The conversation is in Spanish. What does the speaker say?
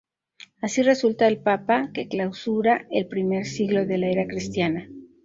Así resulta el papa que clausura el primer siglo de la era cristiana.